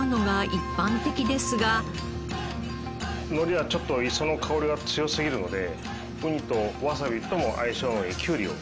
海苔はちょっと磯の香りが強すぎるのでウニとわさびとも相性のいいキュウリを。